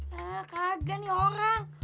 hah kagak nih orang